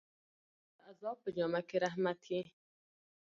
ډېر مصیبتونه د عذاب په جامه کښي رحمت يي.